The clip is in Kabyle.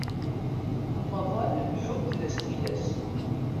Amaḍal ḥudden-as tilas.